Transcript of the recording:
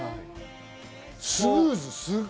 スムーズ。